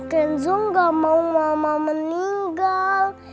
kenzoo gak mau mama meninggal